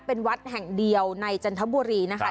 เป็นวัดแห่งเดียวในจันทบุรีนะคะ